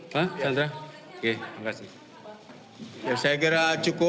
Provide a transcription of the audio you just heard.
oke terima kasih